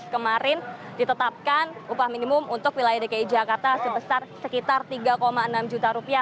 kemarin ditetapkan upah minimum untuk wilayah dki jakarta sebesar sekitar tiga enam juta rupiah